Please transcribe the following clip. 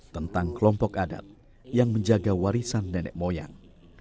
tentang kelompok adat yang menjaga warisan nenek moyang